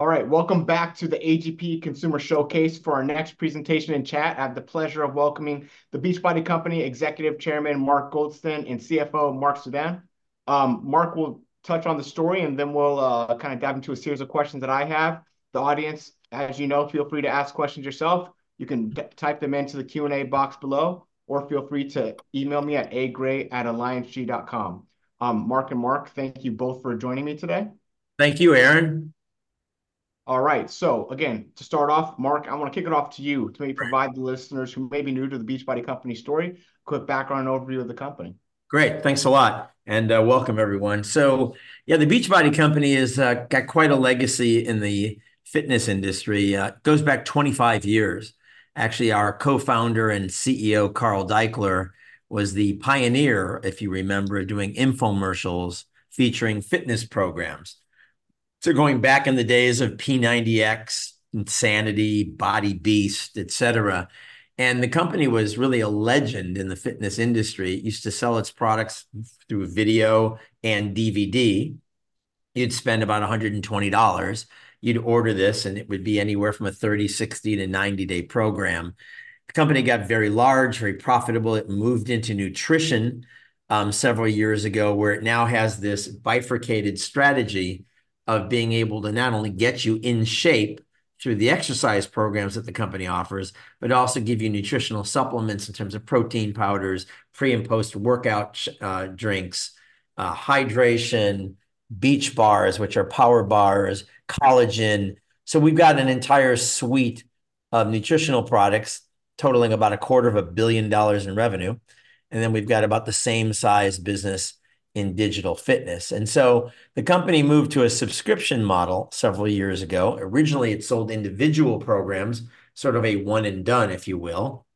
All right, welcome back to the AGP Consumer Showcase for our next presentation and chat. I have the pleasure of welcoming the Beachbody Company Executive Chairman, Mark Goldston, and CFO, Marc Suidan. Mark will touch on the story, and then we'll kind of dive into a series of questions that I have. The audience, as you know, feel free to ask questions yourself. You can type them into the Q&A box below, or feel free to email me at agray@allianceg.com. Mark and Marc, thank you both for joining me today. Thank you, Aaron. All right, so again, to start off, Mark, I want to kick it off to you to maybe provide the listeners who may be new to the Beachbody Company story a quick background overview of the company. Great, thanks a lot. And welcome, everyone. So yeah, the Beachbody Company has got quite a legacy in the fitness industry. It goes back 25 years. Actually, our co-founder and CEO, Carl Daikeler, was the pioneer, if you remember, doing infomercials featuring fitness programs. So going back in the days of P90X, Insanity, Body Beast, etc. And the company was really a legend in the fitness industry. It used to sell its products through video and DVD. You'd spend about $120. You'd order this, and it would be anywhere from a 30, 60 to 90-day program. The company got very large, very profitable. It moved into nutrition several years ago, where it now has this bifurcated strategy of being able to not only get you in shape through the exercise programs that the company offers, but also give you nutritional supplements in terms of protein powders, pre and post-workout drinks, hydration, BEACHBARs, which are power bars, collagen. So we've got an entire suite of nutritional products totaling about $250 million in revenue. And then we've got about the same size business in digital fitness. And so the company moved to a subscription model several years ago. Originally, it sold individual programs, sort of a one-and-done, if you will.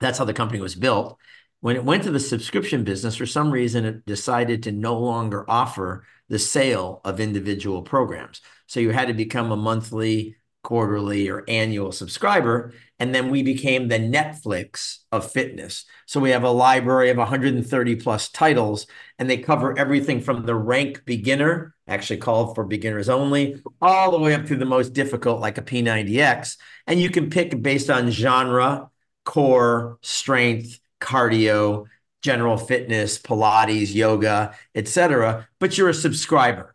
That's how the company was built. When it went to the subscription business, for some reason, it decided to no longer offer the sale of individual programs. So you had to become a monthly, quarterly, or annual subscriber. And then we became the Netflix of fitness. So we have a library of 130+ titles, and they cover everything from the rank beginner, actually called For Beginners Only, all the way up to the most difficult, like a P90X. And you can pick based on genre, core, strength, cardio, general fitness, pilates, yoga, etc, but you're a subscriber.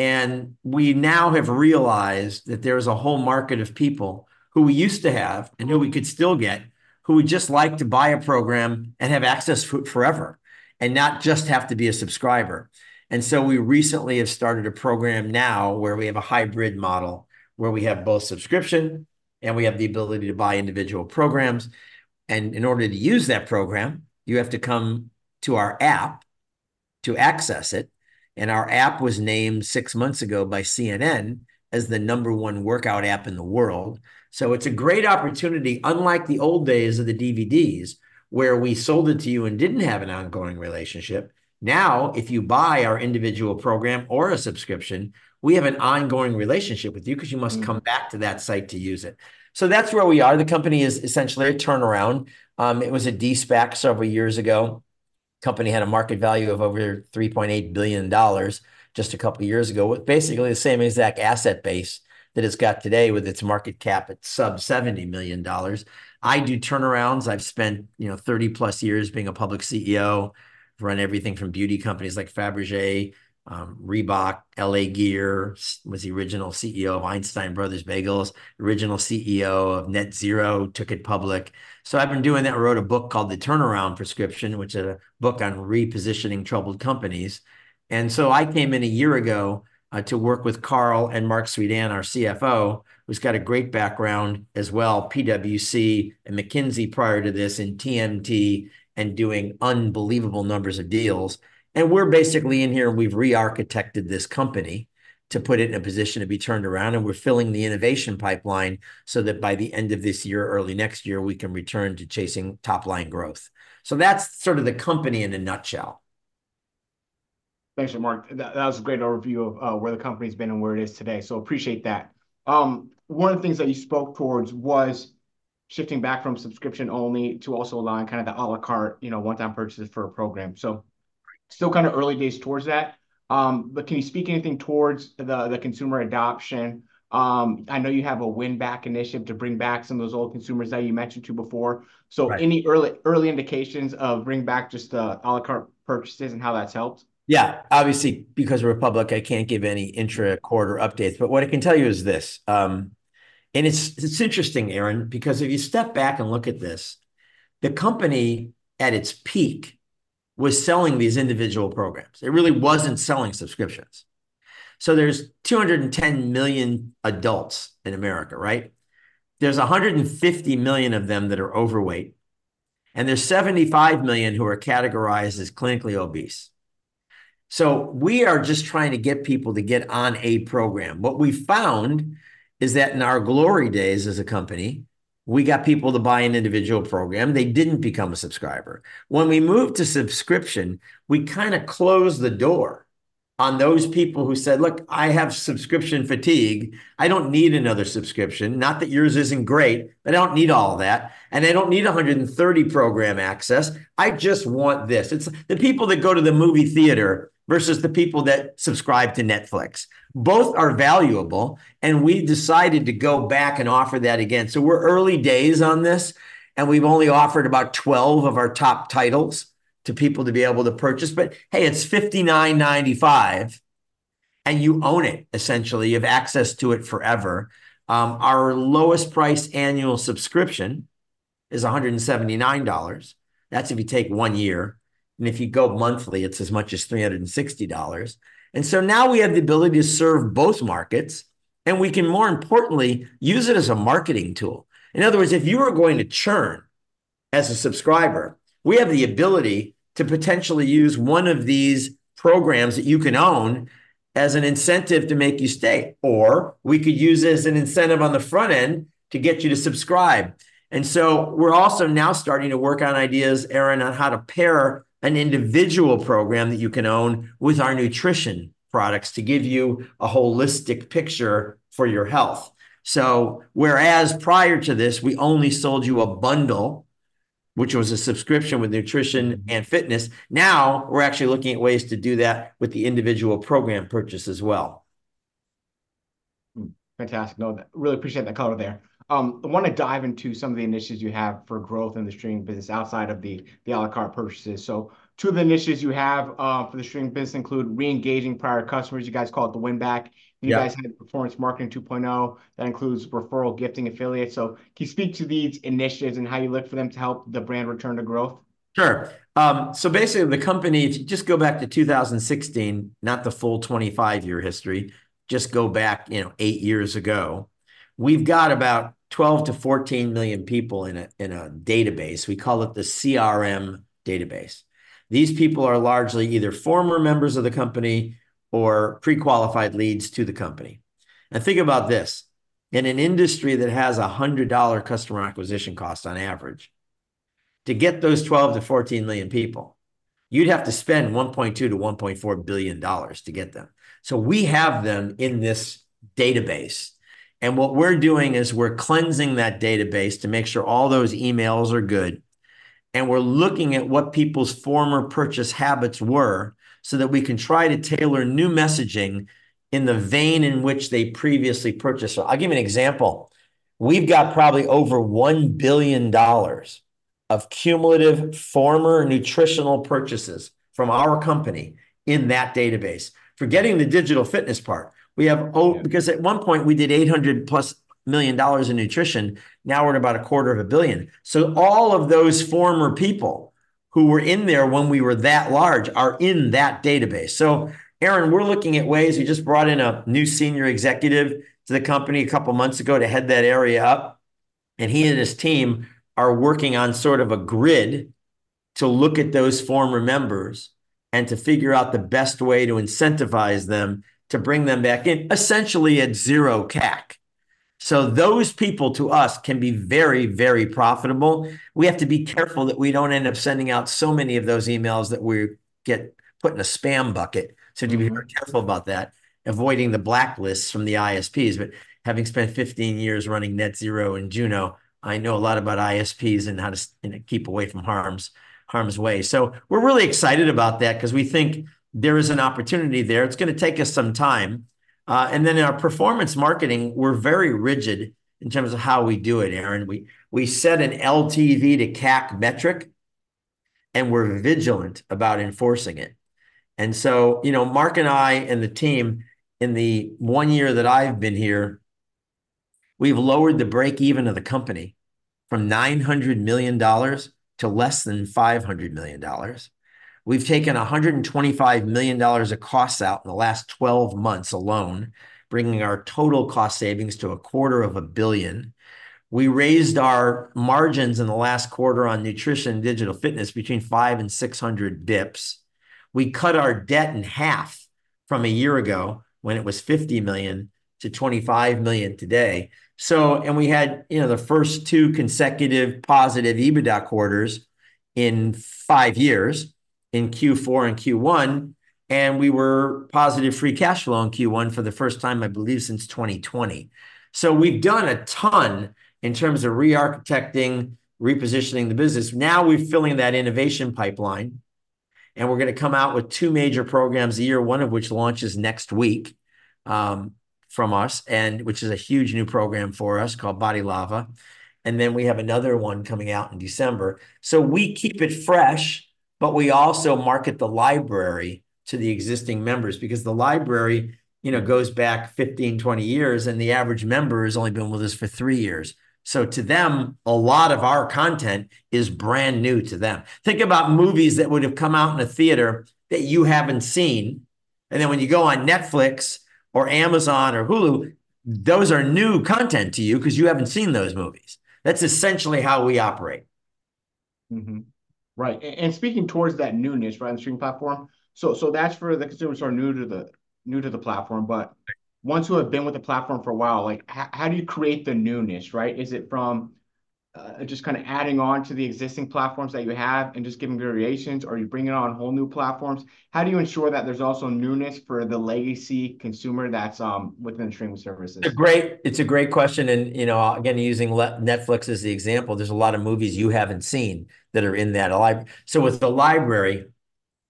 And we now have realized that there is a whole market of people who we used to have and who we could still get, who would just like to buy a program and have access forever and not just have to be a subscriber. And so we recently have started a program now where we have a hybrid model where we have both subscription and we have the ability to buy individual programs. And in order to use that program, you have to come to our app to access it. Our app was named six months ago by CNN as the number one workout app in the world. So it's a great opportunity, unlike the old days of the DVDs where we sold it to you and didn't have an ongoing relationship. Now, if you buy our individual program or a subscription, we have an ongoing relationship with you because you must come back to that site to use it. So that's where we are. The company is essentially a turnaround. It was a de-SPAC several years ago. The company had a market value of over $3.8 billion just a couple of years ago, with basically the same exact asset base that it's got today with its market cap at sub-$70 million. I do turnarounds. I've spent 30+ years being a public CEO. I've run everything from beauty companies like Fabergé, Reebok, L.A. Gear. He was the original CEO of Einstein Brothers Bagels, original CEO of NetZero, took it public. So I've been doing that. I wrote a book called The Turnaround Prescription, which is a book on repositioning troubled companies. So I came in a year ago to work with Carl and Marc Suidan, our CFO, who's got a great background as well, PwC and McKinsey prior to this in TMT and doing unbelievable numbers of deals. We're basically in here, and we've re-architected this company to put it in a position to be turned around. We're filling the innovation pipeline so that by the end of this year, early next year, we can return to chasing top-line growth. So that's sort of the company in a nutshell. Thanks, Marc. That was a great overview of where the company's been and where it is today. So appreciate that. One of the things that you spoke towards was shifting back from subscription only to also allowing kind of the à la carte, one-time purchases for a program. So still kind of early days towards that. But can you speak anything towards the consumer adoption? I know you have a win-back initiative to bring back some of those old consumers that you mentioned to before. So any early indications of bringing back just the à la carte purchases and how that's helped? Yeah, obviously, because we're public, I can't give any intra-quarter updates. But what I can tell you is this. It's interesting, Aaron, because if you step back and look at this, the company at its peak was selling these individual programs. It really wasn't selling subscriptions. So there's 210 million adults in America, right? There's 150 million of them that are overweight, and there's 75 million who are categorized as clinically obese. So we are just trying to get people to get on a program. What we found is that in our glory days as a company, we got people to buy an individual program. They didn't become a subscriber. When we moved to subscription, we kind of closed the door on those people who said, "Look, I have subscription fatigue. I don't need another subscription. Not that yours isn't great, but I don't need all of that. I don't need 130 program access. I just want this." It's the people that go to the movie theater versus the people that subscribe to Netflix. Both are valuable, and we decided to go back and offer that again. So we're early days on this, and we've only offered about 12 of our top titles to people to be able to purchase. But hey, it's $59.95, and you own it, essentially. You have access to it forever. Our lowest-priced annual subscription is $179. That's if you take one year. And if you go monthly, it's as much as $360. And so now we have the ability to serve both markets, and we can, more importantly, use it as a marketing tool. In other words, if you are going to churn as a subscriber, we have the ability to potentially use one of these programs that you can own as an incentive to make you stay. Or we could use it as an incentive on the front end to get you to subscribe. And so we're also now starting to work on ideas, Aaron, on how to pair an individual program that you can own with our nutrition products to give you a holistic picture for your health. So whereas prior to this, we only sold you a bundle, which was a subscription with nutrition and fitness, now we're actually looking at ways to do that with the individual program purchase as well. Fantastic. No, really appreciate that color there. I want to dive into some of the initiatives you have for growth in the streaming business outside of the à la carte purchases. So two of the initiatives you have for the streaming business include re-engaging prior customers. You guys call it the win-back. You guys have performance marketing 2.0. That includes referral, gifting, affiliates. So can you speak to these initiatives and how you look for them to help the brand return to growth? Sure. So basically, the company, if you just go back to 2016, not the full 25-year history, just go back 8 years ago, we've got about 12 to 14 million people in a database. We call it the CRM database. These people are largely either former members of the company or pre-qualified leads to the company. Now think about this. In an industry that has a $100 customer acquisition cost on average, to get those 12 to 14 million people, you'd have to spend $1.2 to 1.4 billion to get them. So we have them in this database. And what we're doing is we're cleansing that database to make sure all those emails are good. And we're looking at what people's former purchase habits were so that we can try to tailor new messaging in the vein in which they previously purchased. I'll give you an example. We've got probably over $1 billion of cumulative former nutritional purchases from our company in that database. Forgetting the digital fitness part, because at one point, we did $800+ million in nutrition. Now we're at about $250 million. So all of those former people who were in there when we were that large are in that database. So Aaron, we're looking at ways. We just brought in a new senior executive to the company a couple of months ago to head that area up. And he and his team are working on sort of a grid to look at those former members and to figure out the best way to incentivize them to bring them back in, essentially at zero CAC. So those people to us can be very, very profitable. We have to be careful that we don't end up sending out so many of those emails that we get put in a spam bucket. So to be very careful about that, avoiding the blacklists from the ISPs. But having spent 15 years running NetZero and Juno, I know a lot about ISPs and how to keep away from harm's way. So we're really excited about that because we think there is an opportunity there. It's going to take us some time. And then in our performance marketing, we're very rigid in terms of how we do it, Aaron. We set an LTV to CAC metric, and we're vigilant about enforcing it. And so Marc and I and the team, in the one year that I've been here, we've lowered the break-even of the company from $900 million to less than $500 million. We've taken $125 million of costs out in the last 12 months alone, bringing our total cost savings to $250 million. We raised our margins in the last quarter on nutrition and digital fitness between five and 600 basis points. We cut our debt in half from a year ago when it was $50 million to $25 million today. We had the first two consecutive positive EBITDA quarters in five years in Q4 and Q1. We were positive free cash flow in Q1 for the first time, I believe, since 2020. So we've done a ton in terms of re-architecting, repositioning the business. Now we're filling that innovation pipeline. We're going to come out with two major programs a year, one of which launches next week from us, which is a huge new program for us called BODi LAVA. And then we have another one coming out in December. So we keep it fresh, but we also market the library to the existing members because the library goes back 15, 20 years, and the average member has only been with us for three years. So to them, a lot of our content is brand new to them. Think about movies that would have come out in a theater that you haven't seen. And then when you go on Netflix or Amazon or Hulu, those are new content to you because you haven't seen those movies. That's essentially how we operate. Right. And speaking towards that new niche around the streaming platform, so that's for the consumers who are new to the platform, but ones who have been with the platform for a while, how do you create the new niche, right? Is it from just kind of adding on to the existing platforms that you have and just giving variations, or are you bringing on whole new platforms? How do you ensure that there's also newness for the legacy consumer that's within streaming services? It's a great question. Again, using Netflix as the example, there's a lot of movies you haven't seen that are in that library. So with a library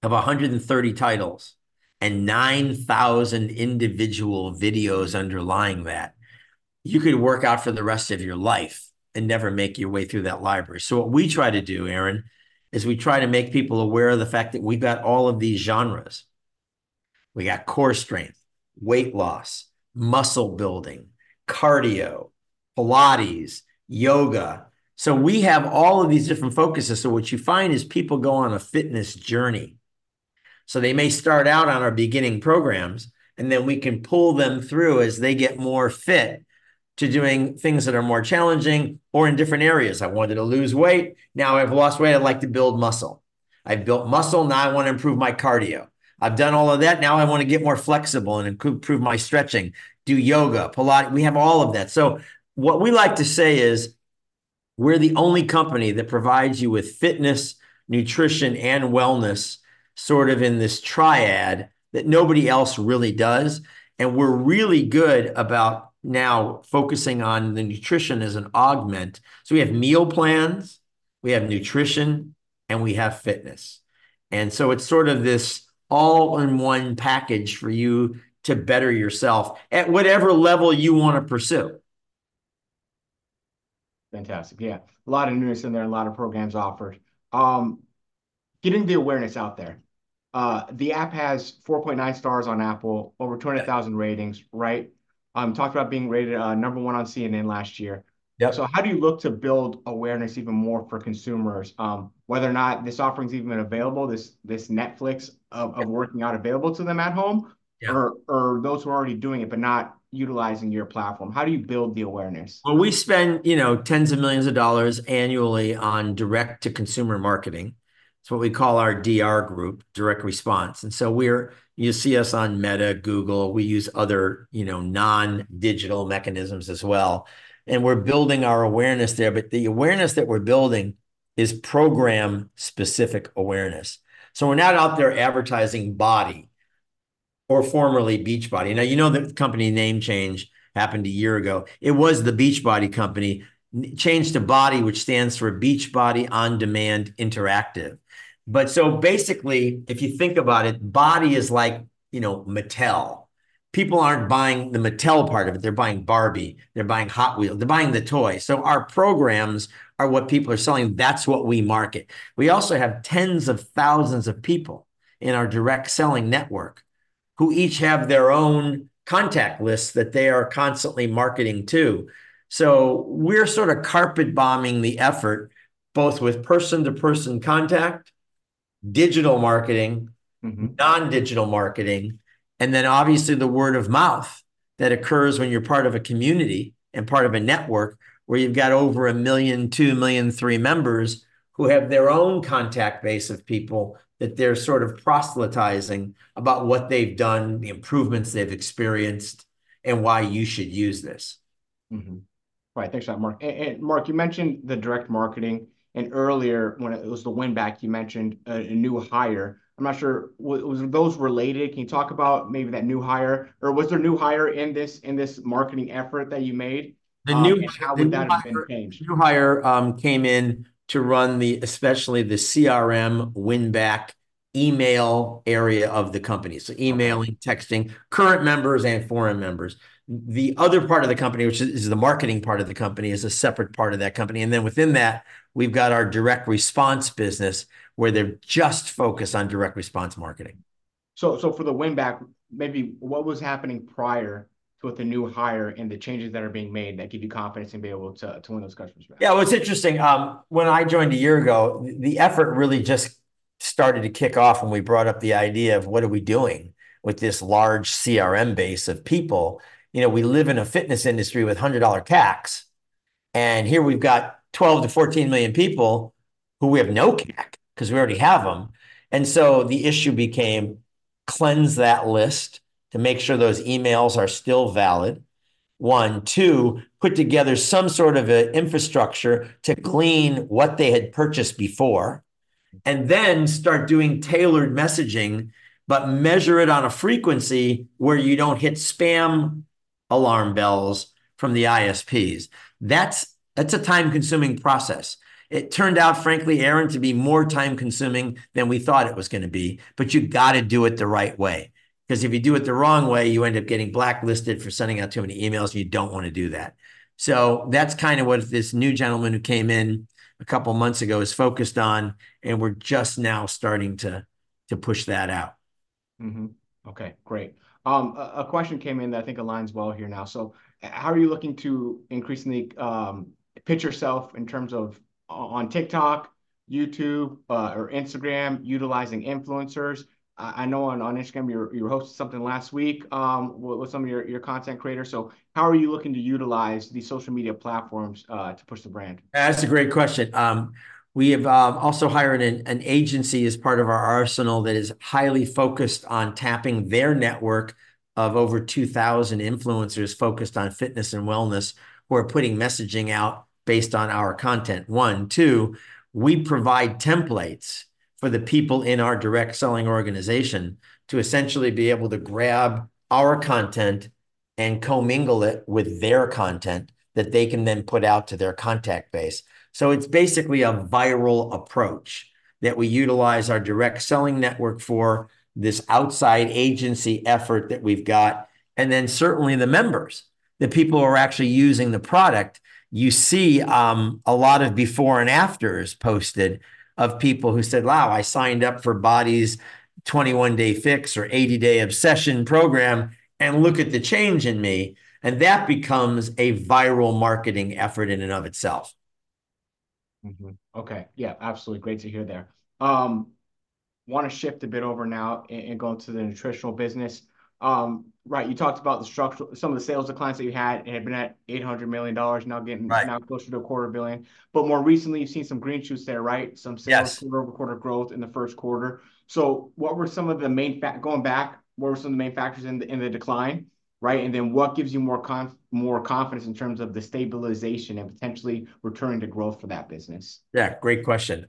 of 130 titles and 9,000 individual videos underlying that, you could work out for the rest of your life and never make your way through that library. So what we try to do, Aaron, is we try to make people aware of the fact that we've got all of these genres. We got core strength, weight loss, muscle building, cardio, pilates, yoga. So we have all of these different focuses. So what you find is people go on a fitness journey. So they may start out on our beginning programs, and then we can pull them through as they get more fit to doing things that are more challenging or in different areas. I wanted to lose weight. Now I've lost weight. I'd like to build muscle. I've built muscle. Now I want to improve my cardio. I've done all of that. Now I want to get more flexible and improve my stretching, do yoga, pilates. We have all of that. So what we like to say is we're the only company that provides you with fitness, nutrition, and wellness sort of in this triad that nobody else really does. And we're really good about now focusing on the nutrition as an augment. So we have meal plans, we have nutrition, and we have fitness. And so it's sort of this all-in-one package for you to better yourself at whatever level you want to pursue. Fantastic. Yeah. A lot of newness in there, a lot of programs offered. Getting the awareness out there. The app has 4.9 stars on Apple, over 200,000 ratings, right? Talked about being rated number one on CNN last year. So how do you look to build awareness even more for consumers, whether or not this offering's even available, this Netflix of working out available to them at home, or those who are already doing it but not utilizing your platform? How do you build the awareness? Well, we spend tens of millions of dollars annually on direct-to-consumer marketing. It's what we call our DR group, direct response. And so you see us on Meta, Google. We use other non-digital mechanisms as well. And we're building our awareness there. But the awareness that we're building is program-specific awareness. So we're not out there advertising BODi or formerly Beachbody. Now, you know the company name change happened a year ago. It was the Beachbody Company. It changed to BODi, which stands for Beachbody On Demand Interactive. But so basically, if you think about it, BODi is like Mattel. People aren't buying the Mattel part of it. They're buying Barbie. They're buying Hot Wheels. They're buying the toy. So our programs are what people are selling. That's what we market. We also have tens of thousands of people in our direct selling network who each have their own contact lists that they are constantly marketing to. So we're sort of carpet-bombing the effort, both with person-to-person contact, digital marketing, non-digital marketing, and then obviously the word of mouth that occurs when you're part of a community and part of a network where you've got over a million, two million to three members who have their own contact base of people that they're sort of proselytizing about what they've done, the improvements they've experienced, and why you should use this. Right. Thanks for that, Mark. And Mark, you mentioned the direct marketing. And earlier, when it was the win-back, you mentioned a new hire. I'm not sure. Were those related? Can you talk about maybe that new hire? Or was there a new hire in this marketing effort that you made? New hire came in to run especially the CRM win-back email area of the company. So emailing, texting, current members, and former members. The other part of the company, which is the marketing part of the company, is a separate part of that company. And then within that, we've got our direct response business where they're just focused on direct response marketing. For the win-back, maybe what was happening prior to with the new hire and the changes that are being made that give you confidence and be able to win those customers back? Yeah. Well, it's interesting. When I joined a year ago, the effort really just started to kick off when we brought up the idea of what are we doing with this large CRM base of people. We live in a fitness industry with $100 CACs. And here we've got 12 to 14 million people who we have no CAC because we already have them. And so the issue became, cleanse that list to make sure those emails are still valid. One. Two, put together some sort of an infrastructure to clean what they had purchased before and then start doing tailored messaging, but measure it on a frequency where you don't hit spam alarm bells from the ISPs. That's a time-consuming process. It turned out, frankly, Aaron, to be more time-consuming than we thought it was going to be. But you got to do it the right way. Because if you do it the wrong way, you end up getting blacklisted for sending out too many emails. You don't want to do that. So that's kind of what this new gentleman who came in a couple of months ago is focused on. And we're just now starting to push that out. Okay. Great. A question came in that I think aligns well here now. How are you looking to increasingly pitch yourself in terms of on TikTok, YouTube, or Instagram, utilizing influencers? I know on Instagram, you were hosting something last week with some of your content creators. How are you looking to utilize these social media platforms to push the brand? That's a great question. We have also hired an agency as part of our arsenal that is highly focused on tapping their network of over 2,000 influencers focused on fitness and wellness who are putting messaging out based on our content. One. Two, we provide templates for the people in our direct selling organization to essentially be able to grab our content and co-mingle it with their content that they can then put out to their contact base. So it's basically a viral approach that we utilize our direct selling network for this outside agency effort that we've got. And then certainly the members, the people who are actually using the product. You see a lot of before and afters posted of people who said, "Wow, I signed up for BODi's 21 Day Fix or 80 Day Obsession program and look at the change in me." That becomes a viral marketing effort in and of itself. Okay. Yeah. Absolutely. Great to hear there. Want to shift a bit over now and go to the nutritional business. Right. You talked about some of the sales of clients that you had. It had been at $800 million, now closer to $250 million. But more recently, you've seen some green shoots there, right? Some sales quarter-over-quarter growth in the Q1. So what were some of the main factors in the decline, right? And then what gives you more confidence in terms of the stabilization and potentially returning to growth for that business? Yeah. Great question.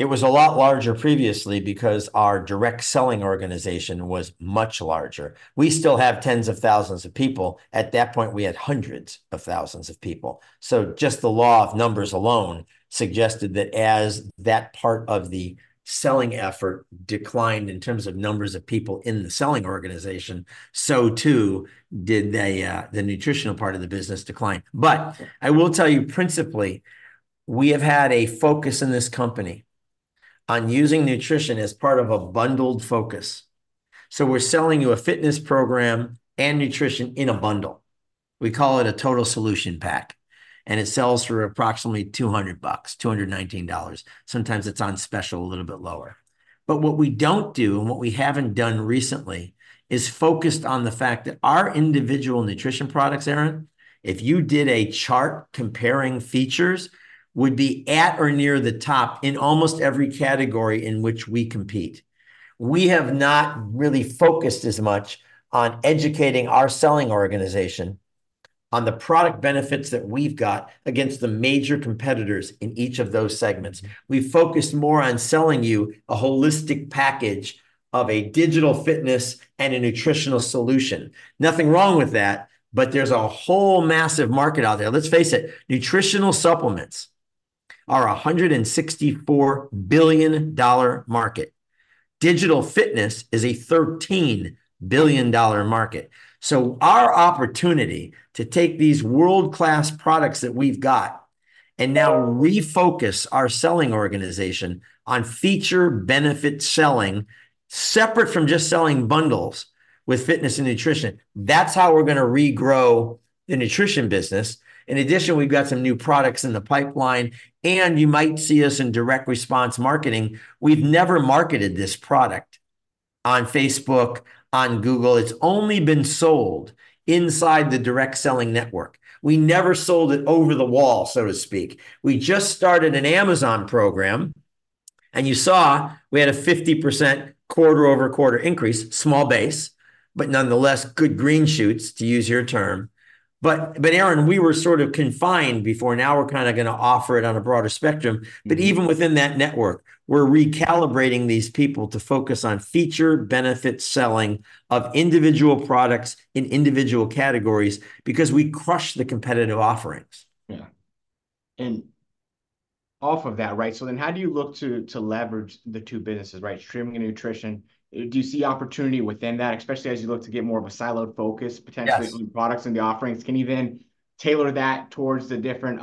It was a lot larger previously because our direct selling organization was much larger. We still have tens of thousands of people. At that point, we had hundreds of thousands of people. So just the law of numbers alone suggested that as that part of the selling effort declined in terms of numbers of people in the selling organization, so too did the nutritional part of the business decline. But I will tell you, principally, we have had a focus in this company on using nutrition as part of a bundled focus. So we're selling you a fitness program and nutrition in a bundle. We call it a Total Solution Pack. And it sells for approximately $200, $219. Sometimes it's on special a little bit lower. But what we don't do and what we haven't done recently is focused on the fact that our individual nutrition products, Aaron, if you did a chart comparing features, would be at or near the top in almost every category in which we compete. We have not really focused as much on educating our selling organization on the product benefits that we've got against the major competitors in each of those segments. We focused more on selling you a holistic package of a digital fitness and a nutritional solution. Nothing wrong with that, but there's a whole massive market out there. Let's face it, nutritional supplements are a $164 billion market. Digital fitness is a $13 billion market. So our opportunity to take these world-class products that we've got and now refocus our selling organization on feature benefit selling separate from just selling bundles with fitness and nutrition, that's how we're going to regrow the nutrition business. In addition, we've got some new products in the pipeline. You might see us in direct response marketing. We've never marketed this product on Facebook, on Google. It's only been sold inside the direct selling network. We never sold it over the wall, so to speak. We just started an Amazon program. And you saw we had a 50% quarter-over-quarter increase, small base, but nonetheless, good green shoots, to use your term. But Aaron, we were sort of confined before. Now we're kind of going to offer it on a broader spectrum. But even within that network, we're recalibrating these people to focus on feature benefit selling of individual products in individual categories because we crush the competitive offerings. Yeah. And off of that, right? So then how do you look to leverage the two businesses, right? Streaming and nutrition. Do you see opportunity within that, especially as you look to get more of a siloed focus potentially on products and the offerings? Can you then tailor that towards the different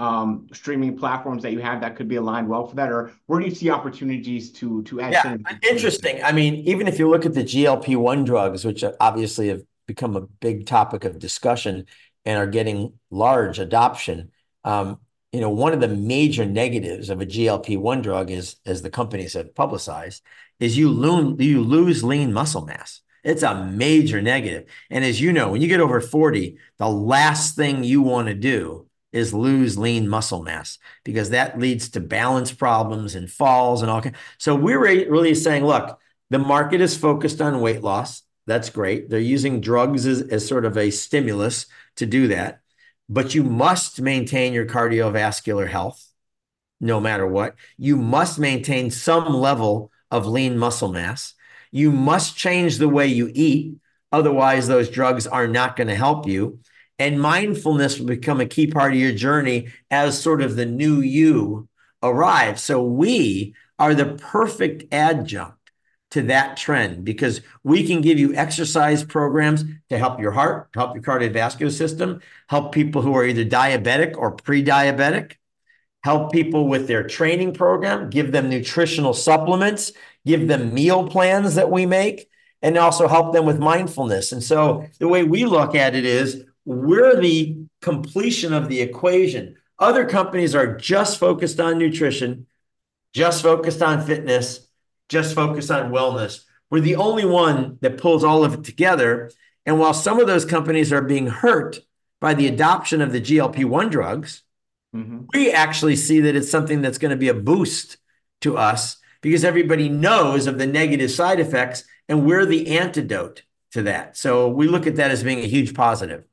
streaming platforms that you have that could be aligned well for that? Or where do you see opportunities to add some? Yeah. Interesting. I mean, even if you look at the GLP-1 drugs, which obviously have become a big topic of discussion and are getting large adoption, one of the major negatives of a GLP-1 drug, as the company said, publicized, is you lose lean muscle mass. It's a major negative. And as you know, when you get over 40, the last thing you want to do is lose lean muscle mass because that leads to balance problems and falls and all kinds. So we're really saying, "Look, the market is focused on weight loss. That's great. They're using drugs as sort of a stimulus to do that. But you must maintain your cardiovascular health no matter what. You must maintain some level of lean muscle mass. You must change the way you eat. Otherwise, those drugs are not going to help you. And mindfulness will become a key part of your journey as sort of the new you arrive." So we are the perfect adjunct to that trend because we can give you exercise programs to help your heart, help your cardiovascular system, help people who are either diabetic or prediabetic, help people with their training program, give them nutritional supplements, give them meal plans that we make, and also help them with mindfulness. And so the way we look at it is we're the completion of the equation. Other companies are just focused on nutrition, just focused on fitness, just focused on wellness. We're the only one that pulls all of it together. While some of those companies are being hurt by the adoption of the GLP-1 drugs, we actually see that it's something that's going to be a boost to us because everybody knows of the negative side effects, and we're the antidote to that. We look at that as being a huge positive.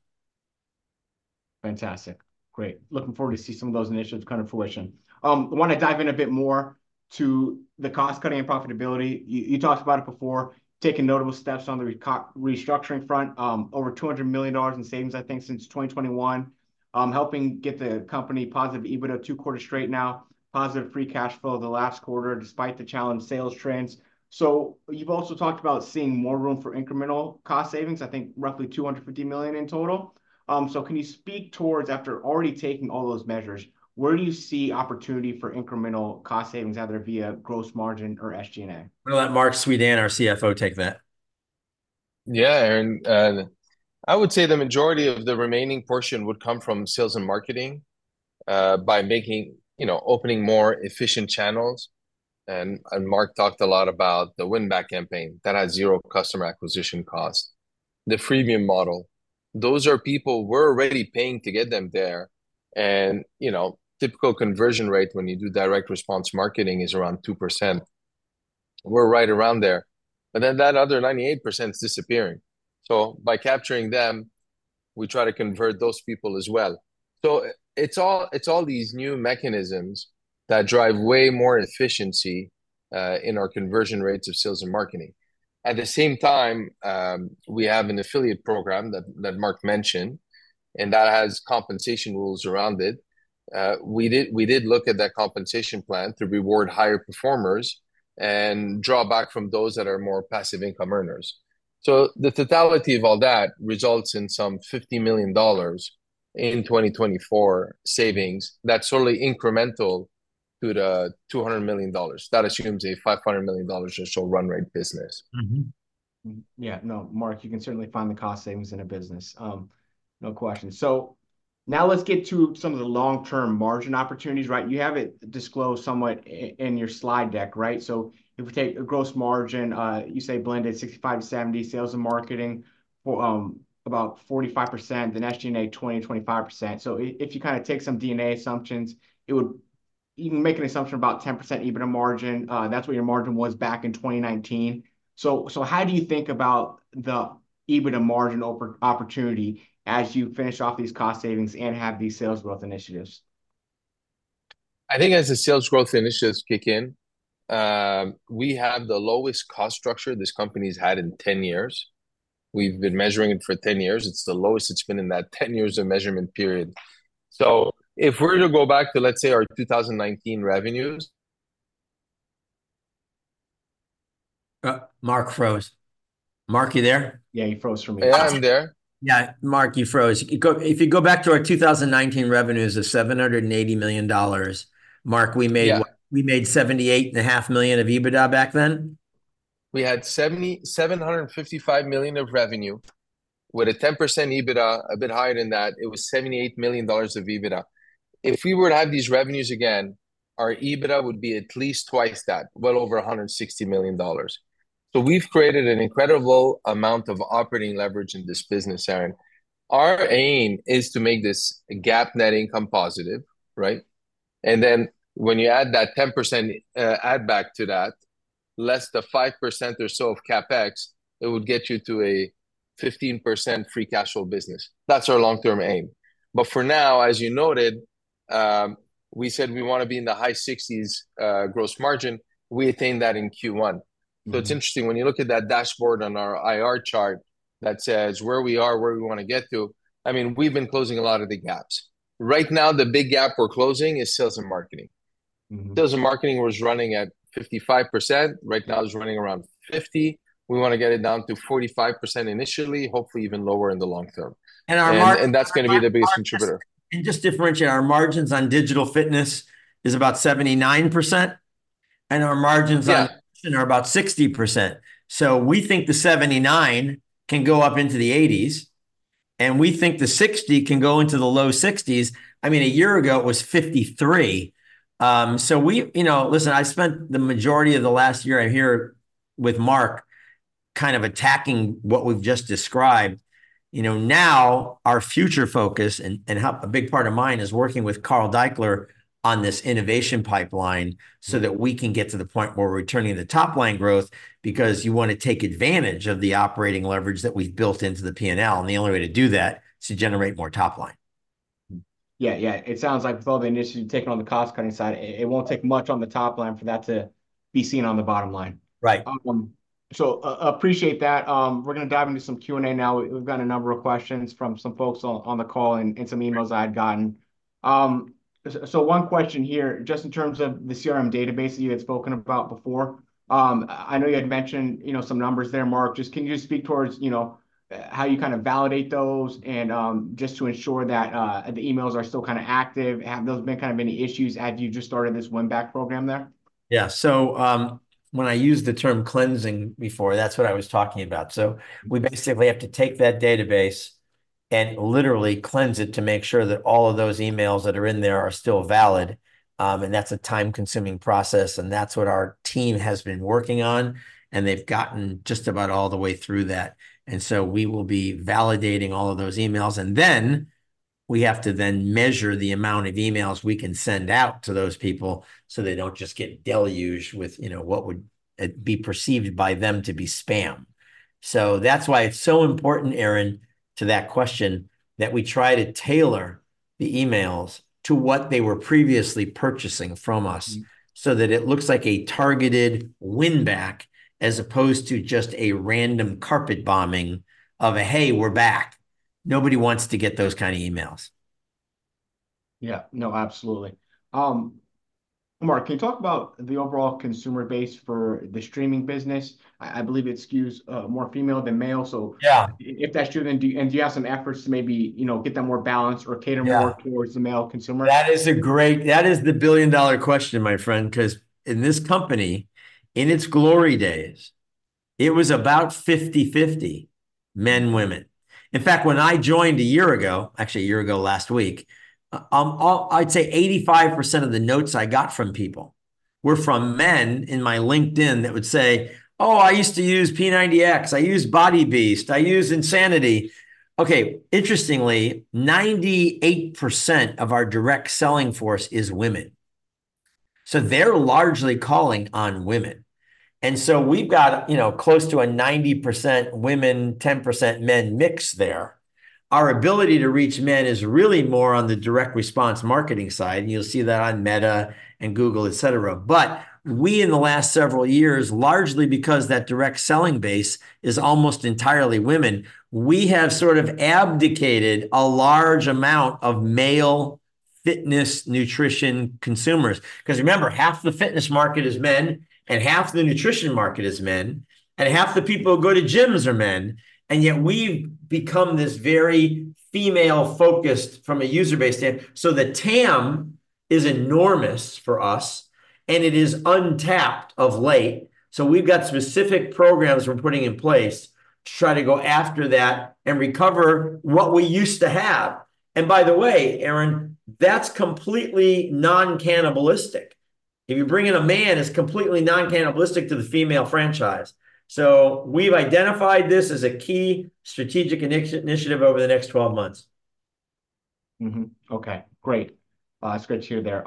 Fantastic. Great. Looking forward to see some of those initiatives kind of fruition. I want to dive in a bit more to the cost-cutting and profitability. You talked about it before, taking notable steps on the restructuring front, over $200 million in savings, I think, since 2021, helping get the company positive EBITDA two quarters straight now, positive free cash flow the last quarter despite the challenged sales trends. So you've also talked about seeing more room for incremental cost savings, I think roughly $250 million in total. So can you speak towards, after already taking all those measures, where do you see opportunity for incremental cost savings, either via gross margin or SG&A? What about Marc Suidan, our CFO? Take that? Yeah, Aaron. I would say the majority of the remaining portion would come from sales and marketing by opening more efficient channels. Marc talked a lot about the win-back campaign that has zero customer acquisition cost, the freemium model. Those are people we're already paying to get them there. Typical conversion rate when you do direct response marketing is around 2%. We're right around there. And then that other 98% is disappearing. So by capturing them, we try to convert those people as well. So it's all these new mechanisms that drive way more efficiency in our conversion rates of sales and marketing. At the same time, we have an affiliate program that Mark mentioned, and that has compensation rules around it. We did look at that compensation plan to reward higher performers and draw back from those that are more passive income earners. So the totality of all that results in some $50 million in 2024 savings. That's solely incremental to the $200 million. That assumes a $500 million or so run rate business. Yeah. No, Marc, you can certainly find the cost savings in a business. No question. So now let's get to some of the long-term margin opportunities, right? You have it disclosed somewhat in your slide deck, right? So if we take a gross margin, you say blended 65% to 70% sales and marketing, about 45%, then SG&A 20% to 25%. So if you kind of take some DNA assumptions, you can make an assumption about 10% EBITDA margin. That's what your margin was back in 2019. So how do you think about the EBITDA margin opportunity as you finish off these cost savings and have these sales growth initiatives? I think as the sales growth initiatives kick in, we have the lowest cost structure this company has had in 10 years. We've been measuring it for 10 years. It's the lowest it's been in that 10 years of measurement period. So if we're to go back to, let's say, our 2019 revenues. Marc froze. Marc, you there? Yeah, he froze for me. Yeah, I'm there. Yeah, Marc, you froze. If you go back to our 2019 revenues of $780 million, Marc, we made $78.5 million of EBITDA back then? We had $755 million of revenue with a 10% EBITDA, a bit higher than that. It was $78 million of EBITDA. If we were to have these revenues again, our EBITDA would be at least twice that, well over $160 million. So we've created an incredible amount of operating leverage in this business, Aaron. Our aim is to make this gap net income positive, right? And then when you add that 10% add-back to that, less the 5% or so of CapEx, it would get you to a 15% free cash flow business. That's our long-term aim. But for now, as you noted, we said we want to be in the high 60s% gross margin. We attained that in Q1. So it's interesting when you look at that dashboard on our IR chart that says where we are, where we want to get to. I mean, we've been closing a lot of the gaps. Right now, the big gap we're closing is sales and marketing. Sales and marketing was running at 55%. Right now, it's running around 50%. We want to get it down to 45% initially, hopefully even lower in the long term. And that's going to be the biggest contributor. And just differentiate, our margins on digital fitness is about 79%. And our margins on nutrition are about 60%. So we think the 79% can go up into the 80%. And we think the 60% can go into the low 60%. I mean, a year ago, it was 53%. So listen, I spent the majority of the last year here with Marc kind of attacking what we've just described. Now, our future focus, and a big part of mine is working with Carl Daikeler on this innovation pipeline so that we can get to the point where we're turning the top line growth because you want to take advantage of the operating leverage that we've built into the P&L. And the only way to do that is to generate more top line. Yeah, yeah. It sounds like with all the initiatives you've taken on the cost-cutting side, it won't take much on the top line for that to be seen on the bottom line. Right. So, appreciate that. We're going to dive into some Q&A now. We've got a number of questions from some folks on the call and some emails I had gotten. So one question here, just in terms of the CRM database that you had spoken about before. I know you had mentioned some numbers there, Mark. Just, can you speak towards how you kind of validate those and just to ensure that the emails are still kind of active? Have those been kind of any issues as you just started this win-back program there? Yeah. So when I used the term cleansing before, that's what I was talking about. So we basically have to take that database and literally cleanse it to make sure that all of those emails that are in there are still valid. And that's a time-consuming process. And that's what our team has been working on. And they've gotten just about all the way through that. And so we will be validating all of those emails. And then we have to then measure the amount of emails we can send out to those people so they don't just get deluged with what would be perceived by them to be spam. So that's why it's so important, Aaron, to that question that we try to tailor the emails to what they were previously purchasing from us so that it looks like a targeted win-back as opposed to just a random carpet bombing of a, "Hey, we're back." Nobody wants to get those kind of emails. Yeah. No, absolutely. Mark, can you talk about the overall consumer base for the streaming business? I believe it skews more female than male. So if that's true, and do you have some efforts to maybe get them more balanced or cater more towards the male consumer? That is a great—that is the billion-dollar question, my friend, because in this company, in its glory days, it was about 50/50, men, women. In fact, when I joined a year ago, actually a year ago last week, I'd say 85% of the notes I got from people were from men in my LinkedIn that would say, "Oh, I used to use P90X. I used Body Beast. I used Insanity." Okay. Interestingly, 98% of our direct selling force is women. So they're largely calling on women. And so we've got close to a 90% women, 10% men mix there. Our ability to reach men is really more on the direct response marketing side. And you'll see that on Meta and Google, etc. But we, in the last several years, largely because that direct selling base is almost entirely women, we have sort of abdicated a large amount of male fitness nutrition consumers. Because remember, half the fitness market is men, and half the nutrition market is men, and half the people who go to gyms are men. And yet we've become this very female-focused from a user base standpoint. So the TAM is enormous for us, and it is untapped of late. So we've got specific programs we're putting in place to try to go after that and recover what we used to have. And by the way, Aaron, that's completely non-cannibalistic. If you bring in a man, it's completely non-cannibalistic to the female franchise. So we've identified this as a key strategic initiative over the next 12 months. Okay. Great. That's great to hear there. A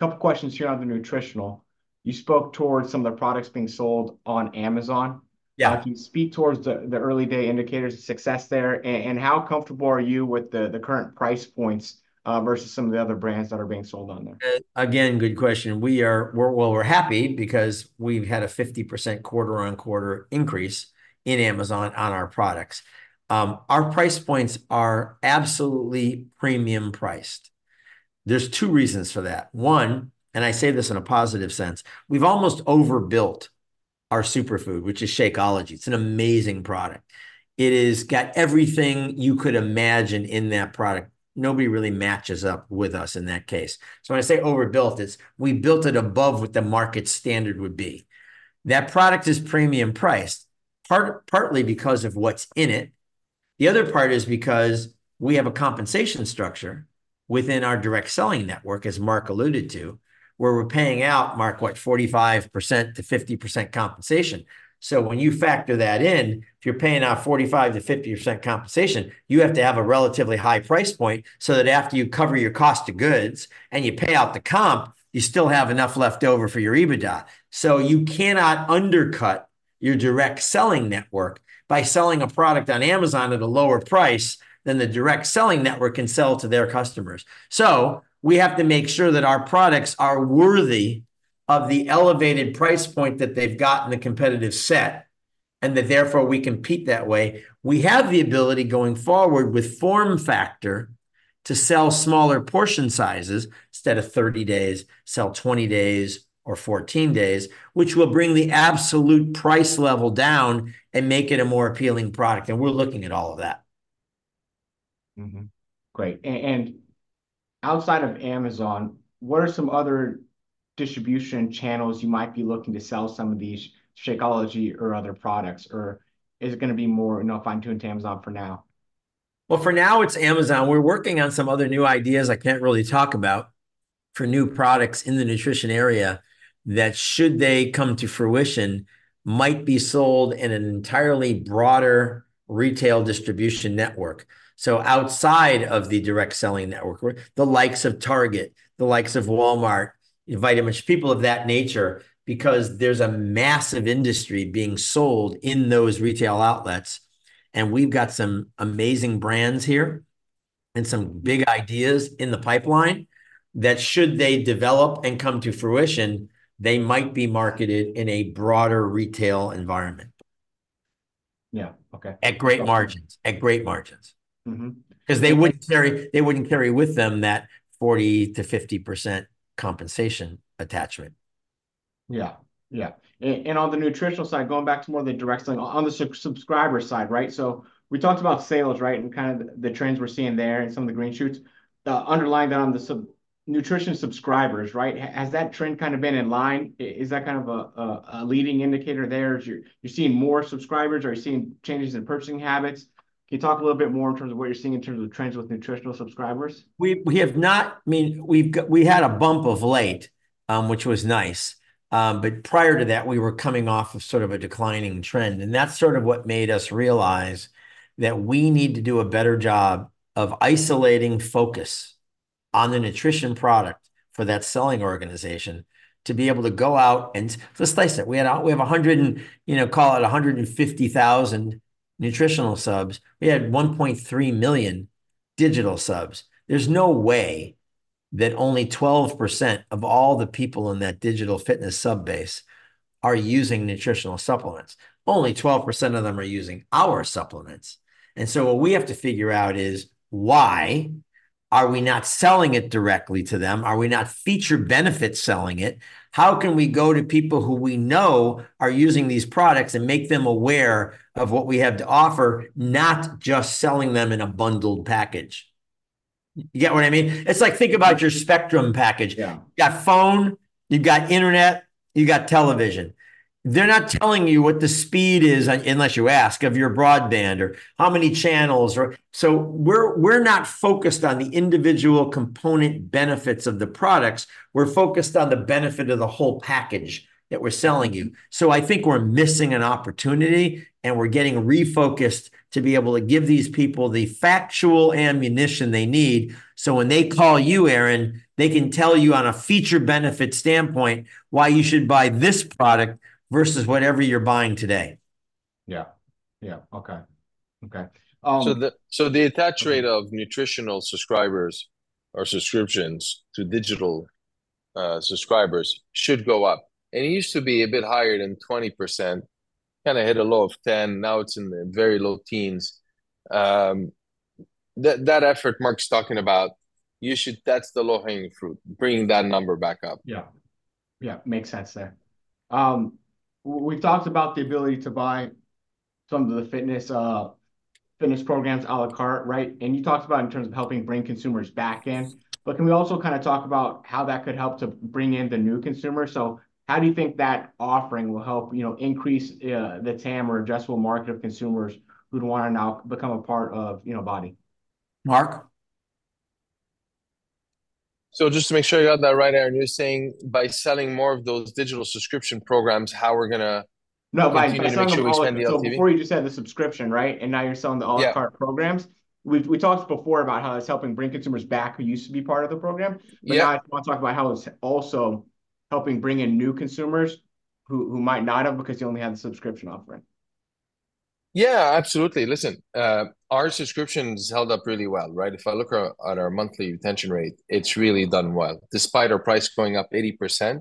couple of questions here on the nutritional. You spoke towards some of the products being sold on Amazon. Can you speak towards the early day indicators of success there? And how comfortable are you with the current price points versus some of the other brands that are being sold on there? Again, good question. Well, we're happy because we've had a 50% quarter-on-quarter increase in Amazon on our products. Our price points are absolutely premium priced. There are two reasons for that. One, and I say this in a positive sense, we've almost overbuilt our superfood, which is Shakeology. It's an amazing product. It has got everything you could imagine in that product. Nobody really matches up with us in that case. So when I say overbuilt, it's we built it above what the market standard would be. That product is premium priced, partly because of what's in it. The other part is because we have a compensation structure within our direct selling network, as Marc alluded to, where we're paying out, Marc, what, 45% to 50% compensation. So when you factor that in, if you're paying out 45% to 50% compensation, you have to have a relatively high price point so that after you cover your cost of goods and you pay out the comp, you still have enough left over for your EBITDA. So you cannot undercut your direct selling network by selling a product on Amazon at a lower price than the direct selling network can sell to their customers. So we have to make sure that our products are worthy of the elevated price point that they've got in the competitive set and that therefore we compete that way. We have the ability going forward with form factor to sell smaller portion sizes instead of 30 days, sell 20 days or 14 days, which will bring the absolute price level down and make it a more appealing product. And we're looking at all of that. Great. Outside of Amazon, what are some other distribution channels you might be looking to sell some of these Shakeology or other products? Is it going to be more fine-tuned to Amazon for now? Well, for now, it's Amazon. We're working on some other new ideas I can't really talk about for new products in the nutrition area that, should they come to fruition, might be sold in an entirely broader retail distribution network. So outside of the direct selling network, the likes of Target, the likes of Walmart, invite a bunch of people of that nature because there's a massive industry being sold in those retail outlets. And we've got some amazing brands here and some big ideas in the pipeline that, should they develop and come to fruition, they might be marketed in a broader retail environment. Yeah. Okay. At great margins. At great margins. Because they wouldn't carry with them that 40% to 50% compensation attachment. Yeah. Yeah. And on the nutritional side, going back to more of the direct selling, on the subscriber side, right? So we talked about sales, right, and kind of the trends we're seeing there and some of the green shoots. Underlying that on the nutritional subscribers, right, has that trend kind of been in line? Is that kind of a leading indicator there? You're seeing more subscribers? Are you seeing changes in purchasing habits? Can you talk a little bit more in terms of what you're seeing in terms of trends with nutritional subscribers? We have not. I mean, we had a bump of late, which was nice. But prior to that, we were coming off of sort of a declining trend. And that's sort of what made us realize that we need to do a better job of isolating focus on the nutrition product for that selling organization to be able to go out and let's face it, we have 100 and call it 150,000 nutritional subs. We had 1.3 million digital subs. There's no way that only 12% of all the people in that digital fitness subbase are using nutritional supplements. Only 12% of them are using our supplements. And so what we have to figure out is why are we not selling it directly to them? Are we not feature benefits selling it? How can we go to people who we know are using these products and make them aware of what we have to offer, not just selling them in a bundled package? You get what I mean? It's like, think about your spectrum package. You've got phone, you've got internet, you've got television. They're not telling you what the speed is, unless you ask, of your broadband or how many channels. So we're not focused on the individual component benefits of the products. We're focused on the benefit of the whole package that we're selling you. So I think we're missing an opportunity, and we're getting refocused to be able to give these people the factual ammunition they need. So when they call you, Aaron, they can tell you on a feature benefit standpoint why you should buy this product versus whatever you're buying today. Yeah. Yeah. Okay. Okay. The attach rate of nutritional subscribers or subscriptions to digital subscribers should go up. It used to be a bit higher than 20%, kind of hit a low of 10%. Now it's in the very low teens. That effort Marc's talking about, that's the low-hanging fruit, bringing that number back up. Yeah. Yeah. Makes sense there. We've talked about the ability to buy some of the fitness programs à la carte, right? And you talked about in terms of helping bring consumers back in. But can we also kind of talk about how that could help to bring in the new consumers? So how do you think that offering will help increase the TAM or addressable market of consumers who'd want to now become a part of BODi? Marc? Just to make sure I got that right, Aaron, you're saying by selling more of those digital subscription programs, how we're going to? No, my intention was to explain the LTV. Before you just had the subscription, right? And now you're selling the à la carte programs. We talked before about how it's helping bring consumers back who used to be part of the program. But now I want to talk about how it's also helping bring in new consumers who might not have because you only had the subscription offering. Yeah, absolutely. Listen, our subscriptions held up really well, right? If I look at our monthly retention rate, it's really done well. Despite our price going up 80%,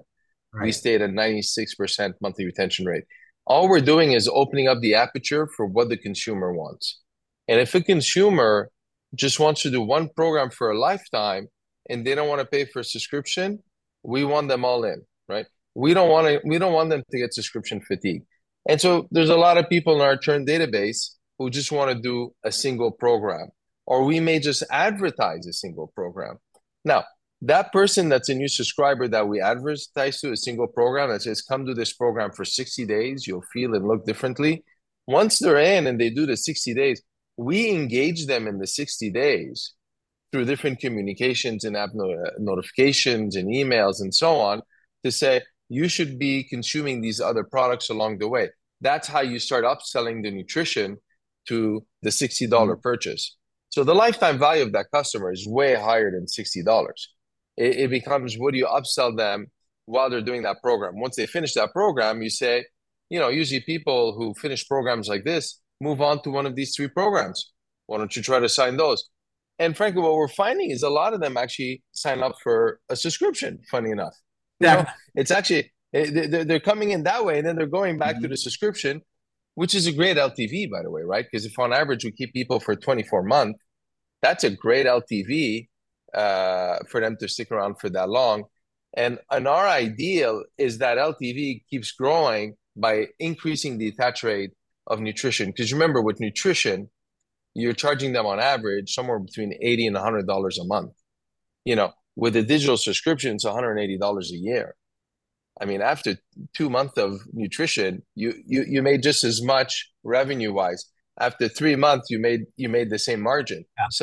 we stayed at 96% monthly retention rate. All we're doing is opening up the aperture for what the consumer wants. And if a consumer just wants to do one program for a lifetime and they don't want to pay for a subscription, we want them all in, right? We don't want them to get subscription fatigue. And so there's a lot of people in our current database who just want to do a single program. Or we may just advertise a single program. Now, that person that's a new subscriber that we advertise to a single program that says, "Come to this program for 60 days, you'll feel and look differently." Once they're in and they do the 60 days, we engage them in the 60 days through different communications and notifications and emails and so on to say, "You should be consuming these other products along the way." That's how you start upselling the nutrition to the $60 purchase. So the lifetime value of that customer is way higher than $60. It becomes what do you upsell them while they're doing that program. Once they finish that program, you say, "Usually, people who finish programs like this move on to one of these three programs. Why don't you try to sign those?" And frankly, what we're finding is a lot of them actually sign up for a subscription, funny enough. Now, they're coming in that way, and then they're going back to the subscription, which is a great LTV, by the way, right? Because if on average we keep people for 24 months, that's a great LTV for them to stick around for that long. Our ideal is that LTV keeps growing by increasing the attach rate of nutrition. Because remember, with nutrition, you're charging them on average somewhere between $80 to 100 a month. With a digital subscription, it's $180 a year. I mean, after two months of nutrition, you made just as much revenue-wise. After three months, you made the same margin. It's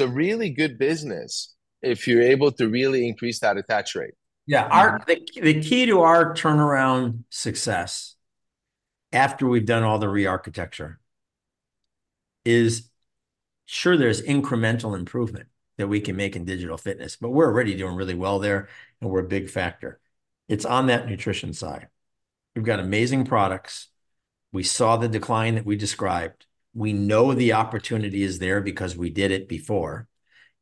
a really good business if you're able to really increase that attach rate. Yeah. The key to our turnaround success after we've done all the re-architecture is, sure, there's incremental improvement that we can make in digital fitness, but we're already doing really well there, and we're a big factor. It's on that nutrition side. We've got amazing products. We saw the decline that we described. We know the opportunity is there because we did it before.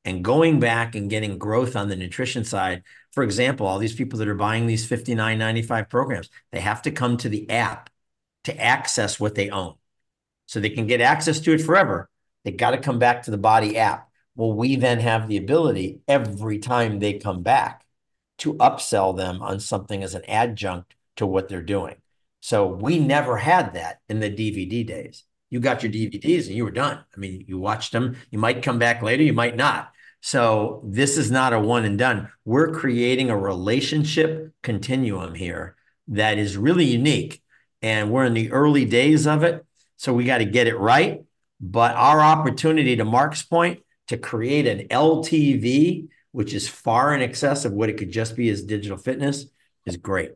And going back and getting growth on the nutrition side, for example, all these people that are buying these $59.95 programs, they have to come to the app to access what they own. So they can get access to it forever. They've got to come back to the BODi app. Well, we then have the ability every time they come back to upsell them on something as an adjunct to what they're doing. So we never had that in the DVD days. You got your DVDs, and you were done. I mean, you watched them. You might come back later. You might not. So this is not a one-and-done. We're creating a relationship continuum here that is really unique. And we're in the early days of it, so we got to get it right. But our opportunity, to Marc's point, to create an LTV, which is far in excess of what it could just be as digital fitness, is great.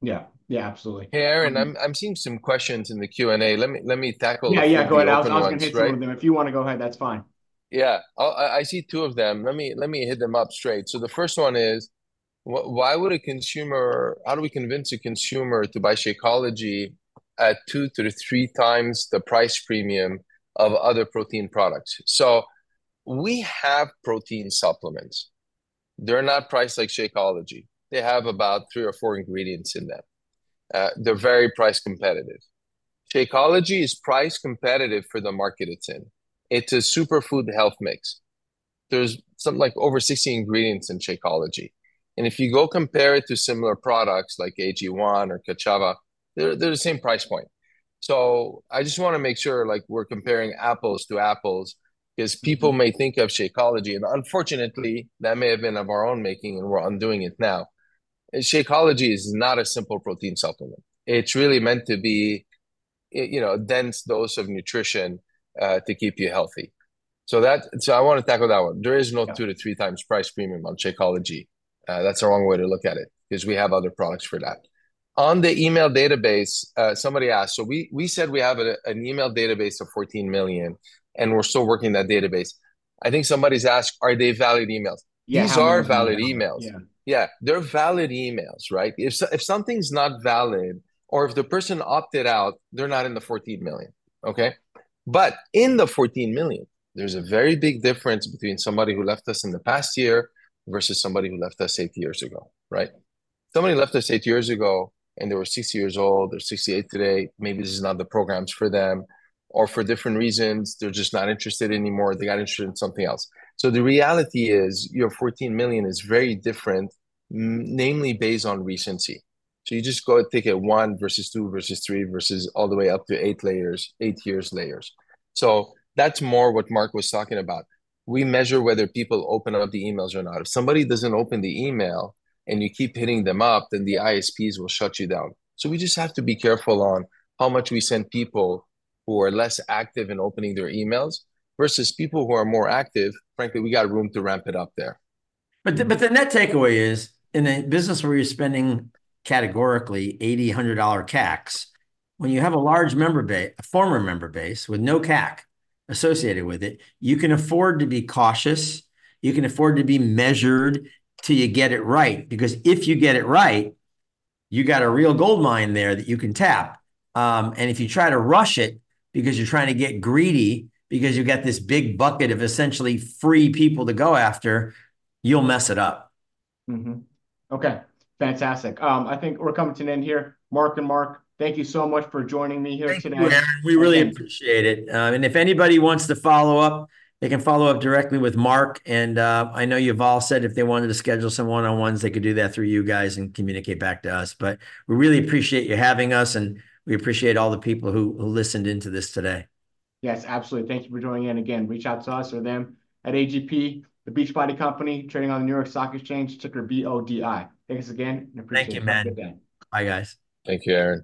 Yeah. Yeah, absolutely. Hey, Aaron, I'm seeing some questions in the Q&A. Let me tackle a few. Yeah, yeah, go ahead. I was going to hit through them. If you want to go ahead, that's fine. Yeah. I see two of them. Let me hit them up straight. So the first one is, why would a consumer how do we convince a consumer to buy Shakeology at two to three times the price premium of other protein products? So we have protein supplements. They're not priced like Shakeology. They have about three or four ingredients in them. They're very price competitive. Shakeology is price competitive for the market it's in. It's a superfood health mix. There's something like over 60 ingredients in Shakeology. And if you go compare it to similar products like AG1 or Ka’Chava, they're the same price point. So I just want to make sure we're comparing apples to apples because people may think of Shakeology, and unfortunately, that may have been of our own making, and we're undoing it now. Shakeology is not a simple protein supplement. It's really meant to be a dense dose of nutrition to keep you healthy. So I want to tackle that one. There is no two to three times price premium on Shakeology. That's the wrong way to look at it because we have other products for that. On the email database, somebody asked, so we said we have an email database of 14 million, and we're still working that database. I think somebody's asked, are they valid emails? These are valid emails. Yeah. They're valid emails, right? If something's not valid or if the person opted out, they're not in the 14 million, okay? But in the 14 million, there's a very big difference between somebody who left us in the past year versus somebody who left us 8 years ago, right? Somebody left us eight years ago, and they were 60 years old. They're 68 today. Maybe this is not the programs for them or for different reasons. They're just not interested anymore. They got interested in something else. So the reality is your 14 million is very different, namely based on recency. So you just go take it one versus two versus three versus all the way up to eight layers, eight years layers. So that's more what Marc was talking about. We measure whether people open up the emails or not. If somebody doesn't open the email and you keep hitting them up, then the ISPs will shut you down. So we just have to be careful on how much we send people who are less active in opening their emails versus people who are more active. Frankly, we got room to ramp it up there. But then that takeaway is in a business where you're spending categorically $80, $100 CACs, when you have a large member base, a former member base with no CAC associated with it, you can afford to be cautious. You can afford to be measured till you get it right. Because if you get it right, you got a real gold mine there that you can tap. And if you try to rush it because you're trying to get greedy, because you get this big bucket of essentially free people to go after, you'll mess it up. Okay. Fantastic. I think we're coming to an end here. Marc and Mark, thank you so much for joining me here today. Thank you, Aaron. We really appreciate it. And if anybody wants to follow up, they can follow up directly with Marc. And I know you've all said if they wanted to schedule some one-on-ones, they could do that through you guys and communicate back to us. But we really appreciate you having us, and we appreciate all the people who listened into this today. Yes, absolutely. Thank you for joining in. Again, reach out to us or them at AGP, the Beachbody Company trading on the New York Stock Exchange, ticker BODI. Thanks again, and appreciate it. Bye, guys. Thank you, man. Take care.